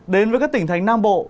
đến với các tỉnh thánh nam bộ